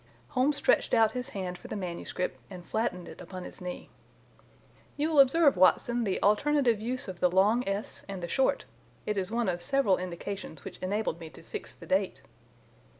Holmes stretched out his hand for the manuscript and flattened it upon his knee. "You will observe, Watson, the alternative use of the long s and the short. It is one of several indications which enabled me to fix the date."